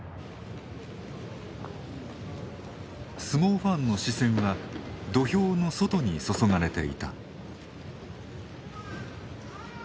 相撲ファンの視線は土俵の外に注がれていた。